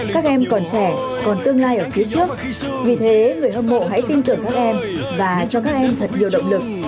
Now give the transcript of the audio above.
các em còn trẻ còn tương lai ở phía trước vì thế người hâm mộ hãy tin tưởng các em và cho các em thật nhiều động lực